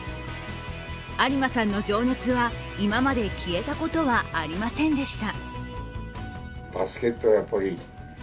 在間さんの情熱は、今まで消えたことはありませんでした。